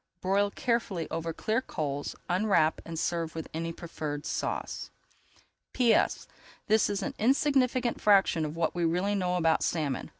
Broil carefully over clear coals, unwrap and serve with any preferred sauce. P.S. This is an insignificant fraction of what we really know about salmon.